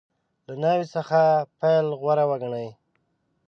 له ناول څخه پیل غوره وګڼي.